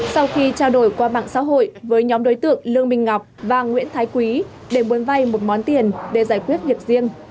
sau khi trao đổi qua mạng xã hội với nhóm đối tượng lương minh ngọc và nguyễn thái quý để muốn vay một món tiền để giải quyết việc riêng